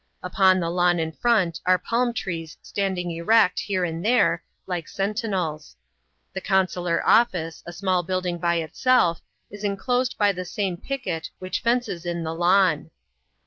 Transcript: Upon the lawn in front are palm trees standing erect here and there, like senti nels. The Consular Office, a small building by itself, is inclosed by the same picket which fences in the lawn.